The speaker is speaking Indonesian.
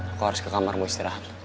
aku harus ke kamar mau istirahat